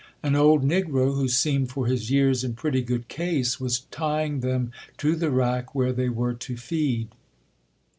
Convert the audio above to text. An old negro, who seemed for his years in pretty good case, was tying them to the rack where they were to feed.